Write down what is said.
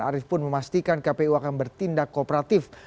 arief pun memastikan kpu akan bertindak kooperatif